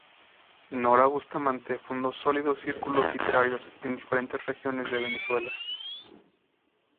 Nora Bustamante fundó sólidos círculos literarios en diferentes regiones de Venezuela.